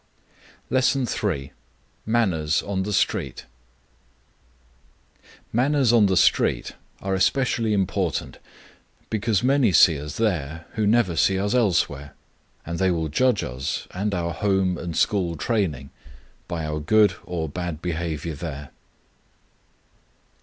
_ LESSON III. MANNERS ON THE STREET. MANNERS on the street are especially important, because many see us there who never see us elsewhere, and they will judge us and our home and school training by our good or bad behavior there.